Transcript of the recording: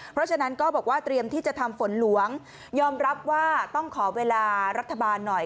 เพราะฉะนั้นก็บอกว่าเตรียมที่จะทำฝนหลวงยอมรับว่าต้องขอเวลารัฐบาลหน่อย